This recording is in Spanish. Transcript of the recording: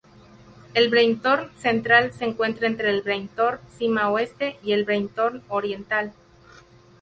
El Breithorn Central se encuentra entre el Breithorn cima oeste y el Breithorn Oriental.